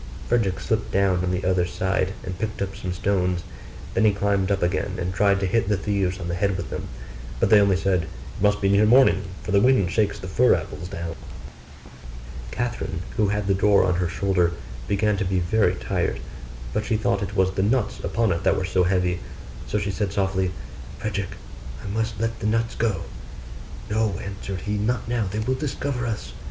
Frederick slipped down on the other side, and picked up some stones. Then he climbed up again, and tried to hit the thieves on the head with them: but they only said, 'It must be near morning, for the wind shakes the fir apples down.' Catherine, who had the door on her shoulder, began to be very tired; but she thought it was the nuts upon it that were so heavy: so she said softly, 'Frederick, I must let the nuts go.' 'No,' answered he, 'not now, they will discover us.